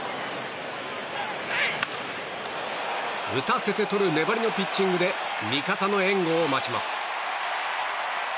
打たせてとる粘りのピッチングで味方の援護を待ちます。